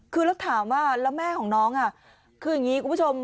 คือแล้วถามว่าแล้วแม่ของน้องคืออย่างนี้คุณผู้ชม